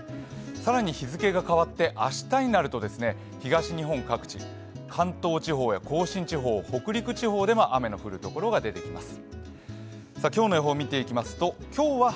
更に日付が変わって明日になると東日本各地、関東地方や甲信地方北陸地方でも雨が降るところが出てきます。